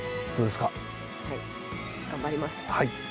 はい、頑張ります。